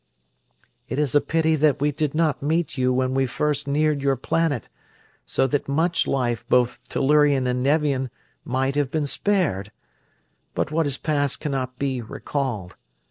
It is a pity that we did not meet you when we first neared your planet, so that much life, both Tellurian and Nevian, might have been spared. But what is past cannot be recalled.